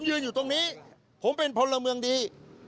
ยืนอยู่ตรงนี้ผมเป็นพลเมืองดี